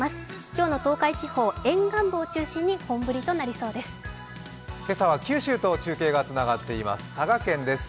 今日の東海地方、沿岸部を中心に本降りとなりそうです。